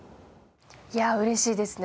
いや嬉しいですね